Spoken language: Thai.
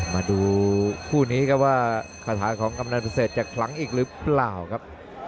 มาดูคู่นี้ก็ว่าคาถานั้นของกำลังประเสริฐจะคลังอีกหรือเปล่าครับ